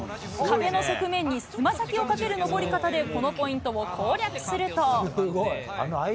壁の側面につま先をかける登り方で、このポイントを攻略すると。